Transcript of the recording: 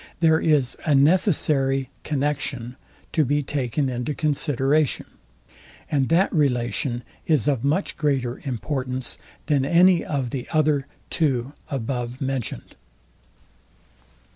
There is a NECESSARY CONNEXION to be taken into consideration; and that relation is of much greater importance, than any of the other two above mentioned.